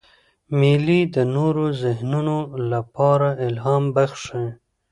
مېلې د نوو ذهنونو له پاره الهام بخښي.